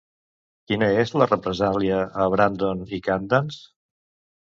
Quina és la represàlia a Brandon i Candance?